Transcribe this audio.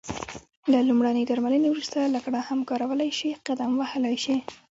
له لمرینې درملنې وروسته لکړه هم کارولای شې، قدم وهلای شې.